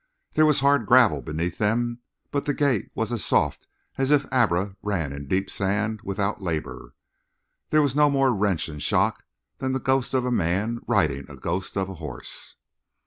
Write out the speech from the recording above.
There was hard gravel beneath them, but the gait was as soft as if Abra ran in deep sand without labor; there was no more wrench and shock than the ghost of a man riding a ghost of a horse.